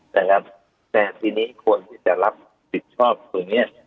ดังนั้นแทนที่นี้คนที่จะรับผลติดชอบตรงนี้